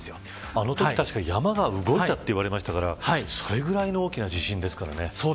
あのときは、山が動いたと言われましたからそのぐらいの大地震です。